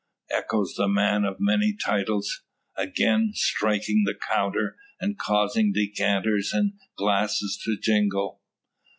echoes the man of many titles, again striking the counter, and causing decanters and glasses to jingle.